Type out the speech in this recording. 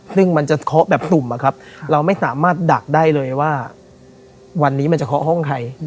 ซึ่งมันจะเคาะแบบตุ่มอะครับเราไม่สามารถดักได้เลยว่าวันนี้มันจะเคาะห้องใคร